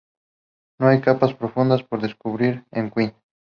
No hay capas profundas por descubrir en "Queen".